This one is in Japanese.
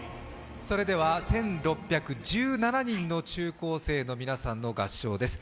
それでは、１６１７人の中高生の皆さんの合唱です。